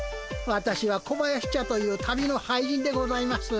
私は小林茶という旅の俳人でございます。